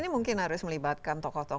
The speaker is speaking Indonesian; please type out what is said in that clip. ini mungkin harus melibatkan tokoh tokoh